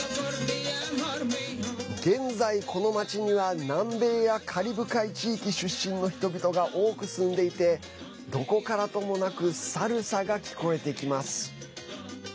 現在、この街には南米やカリブ海地域出身の人々が多く住んでいてどこからともなくサルサが聞こえてきます。